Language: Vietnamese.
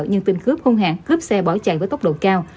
nhưng tên cướp hung hàng cướp xe bỏ chạy với tốc độ cao